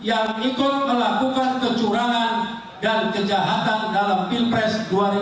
yang ikut melakukan kecurangan dan kejahatan dalam pilpres dua ribu sembilan belas